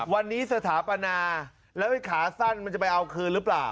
วันนี้สถาปนาแล้วไอ้ขาสั้นมันจะไปเอาคืนหรือเปล่า